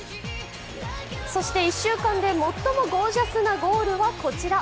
そして１週間で最もゴージャスなゴールはこちら。